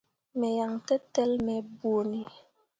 Me yan tǝtel me bõoni.